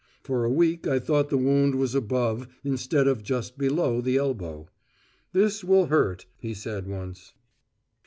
For a week I thought the wound was above instead of just below the elbow. "This will hurt," he said once.